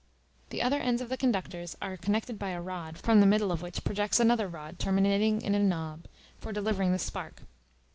The other ends of the conductors are connected by a rod from the middle of which projects another rod terminating in a knob, for delivering the spark.